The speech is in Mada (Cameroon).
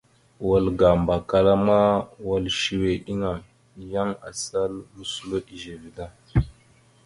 Wal ga Mbakala ma, wal səwe eɗeŋa, yan asal moslo ezeve da.